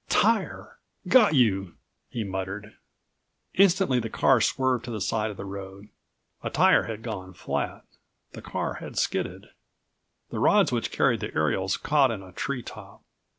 "Tire! Got you," he muttered. Instantly the car swerved to the side of the road. A tire had gone flat. The car had skidded. The rods which carried the aerials caught in a tree top.